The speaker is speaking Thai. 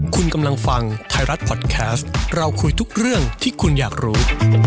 คุณกำลังฟังไทยรัฐพอดแคสต์เราคุยทุกเรื่องที่คุณอยากรู้